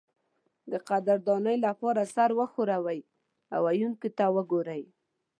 د قدردانۍ لپاره سر وښورئ او ویونکي ته وګورئ.